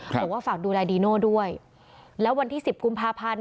ค่ะคือว่าฝากดูแลดีโนด้วยแล้ววันที่๑๐กุมมาภัณฑ์